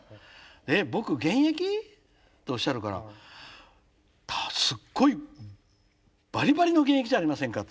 「えっ僕現役？」とおっしゃるから「すっごいバリバリの現役じゃありませんか」って。